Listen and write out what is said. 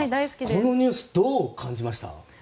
このニュースどうお感じになりました。